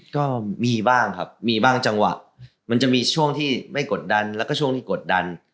ก็มีบ้างครับมีบ้างจังหวะมันจะมีช่วงที่ไม่กดดันแล้วก็ช่วงที่กดดัน